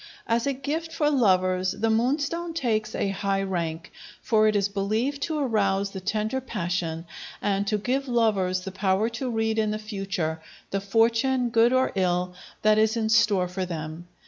As a gift for lovers the moonstone takes a high rank, for it is believed to arouse the tender passion, and to give lovers the power to read in the future the fortune, good or ill, that is in store for them.